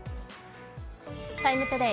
「ＴＩＭＥ，ＴＯＤＡＹ」